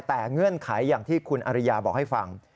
แต่เงื่อนไขอย่างที่คุณอริยาบอกให้ฟัง